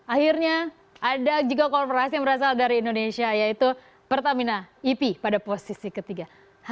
akhirnya ada juga korporasi yang berasal dari indonesia yaitu pertamina ip pada posisi ketiga